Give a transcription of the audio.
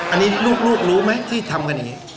อันนี้ลูกรู้ไหมที่ทำกันอย่างนี้